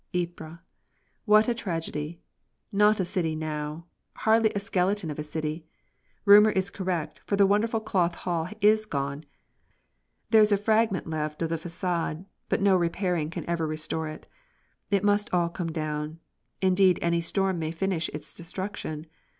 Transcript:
Ypres! What a tragedy! Not a city now; hardly a skeleton of a city. Rumour is correct, for the wonderful Cloth Hall is gone. There is a fragment left of the façade, but no repairing can ever restore it. It must all come down. Indeed, any storm may finish its destruction.